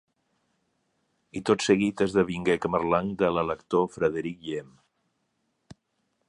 I tot seguit esdevingué camarlenc de l'Elector Frederic Guillem.